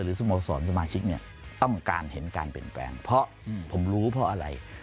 สโมสรสมาชิกเนี่ยต้องการเห็นการเปลี่ยนแปลงเพราะผมรู้เพราะอะไร